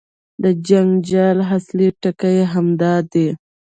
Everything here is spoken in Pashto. د جنجال اصلي ټکی همدا دی.